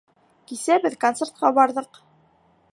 Кисә беҙ концертҡа барҙыҡ